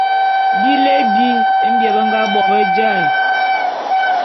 Bilé bi mbie be nga bo be jaé'.